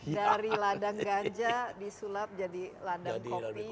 dari ladang ganja disulap jadi ladang kopi